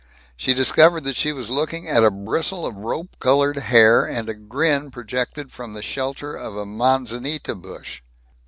She discovered that she was looking at a bristle of rope colored hair and a grin projected from the shelter of a manzanita bush.